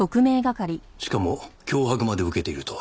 しかも脅迫まで受けているとは。